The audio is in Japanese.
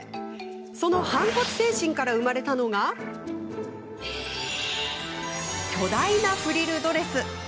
その反骨精神から生まれたのが巨大なフリルドレス。